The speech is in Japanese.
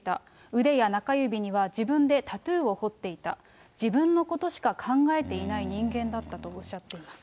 腕や中指には自分でタトゥーを彫っていた、自分のことしか考えていない人間だったとおっしゃっています。